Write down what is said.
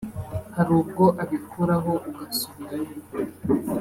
hari ubwo abikuraho ugasubirayo